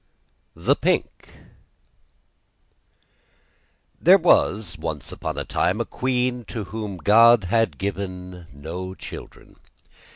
THE PINK There was once upon a time a queen to whom God had given no children.